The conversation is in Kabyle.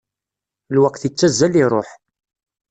Lweqt ittazzal iruḥ.